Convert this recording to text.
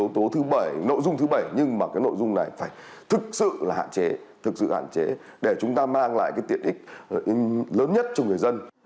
yếu tố thứ bảy nội dung thứ bảy nhưng mà cái nội dung này phải thực sự là hạn chế thực sự hạn chế để chúng ta mang lại cái tiện ích lớn nhất cho người dân